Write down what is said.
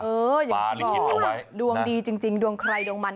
เอออย่างที่บอกดวงดีจริงดวงใครดวงมัน